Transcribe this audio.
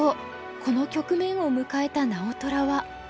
この局面を迎えた直虎は。